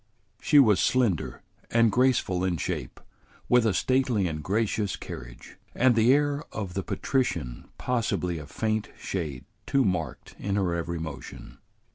She was slender and graceful in shape, with a stately and gracious carriage, and the air of the patrician possibly a faint shade too marked in her every motion.